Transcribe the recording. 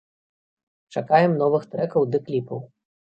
Чакаем новых трэкаў ды кліпаў!